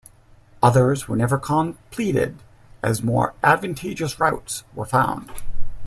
Others were never completed, as more advantageous routes were found.